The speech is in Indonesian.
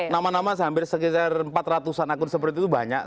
nama nama hampir sekitar empat ratus an akun seperti itu banyak